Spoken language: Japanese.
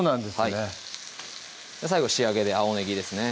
はい最後仕上げで青ねぎですね